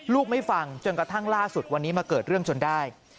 ไม่ฟังจนกระทั่งล่าสุดวันนี้มาเกิดเรื่องจนได้